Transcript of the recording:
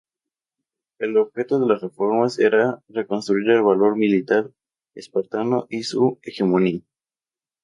El objeto de las reformas era reconstruir el valor militar espartano y su hegemonía.